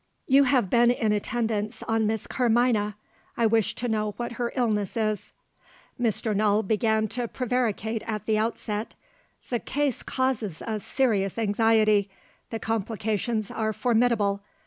"You have been in attendance on Miss Carmina. I wish to know what her illness is." Mr. Null began to prevaricate at the outset. "The case causes us serious anxiety. The complications are formidable.